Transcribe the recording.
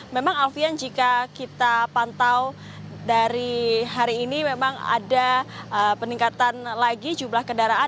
memang alfian jika kita pantau dari hari ini memang ada peningkatan lagi jumlah kendaraan